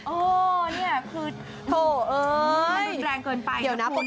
โอ้นี่คือมันรุนแรงเกินไปนะคุณ